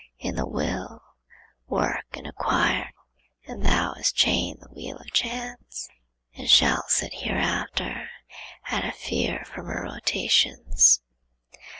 In the Will work and acquire, and thou hast chained the wheel of Chance, and shalt sit hereafter out of fear from her rotations.